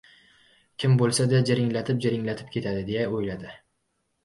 Kim bo‘lsa-da, jiringlatib-jiringlatib ketadi, deya o‘yladi.